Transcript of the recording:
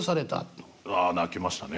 あ泣きましたね